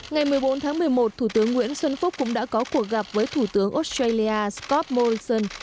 ngày một mươi bốn tháng một mươi một thủ tướng nguyễn xuân phúc cũng đã có cuộc gặp với thủ tướng australia scott morrison